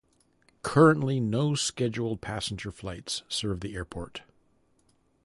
Currently no scheduled passenger flights serve the airport.